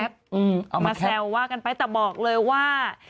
เอามาแซวว่ากันไปแต่บอกเลยว่า